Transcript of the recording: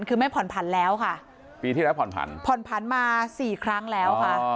คือไม่ผ่อนผันแล้วค่ะปีที่แล้วผ่อนผันผ่อนผันมาสี่ครั้งแล้วค่ะ